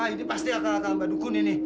ini pasti akal akal mbak dukun ini